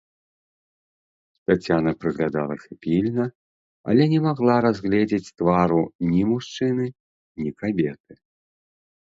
Таццяна прыглядалася пільна, але не магла разгледзець твару ні мужчыны, ні кабеты.